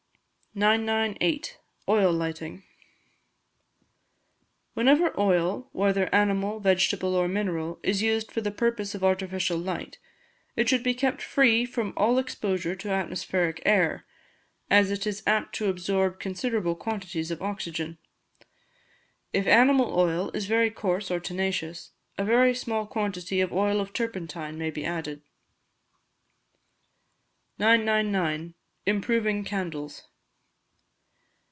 998. Oil Lighting. Whenever oil, whether animal, vegetable, or mineral, is used for the purpose of artificial light, it should be kept free from all exposure to atmospheric air; as it is apt to absorb considerable quantities of oxygen. If animal oil is very coarse or tenacious, a very small quantity of oil of turpentine may be added. 999. Improving Candles.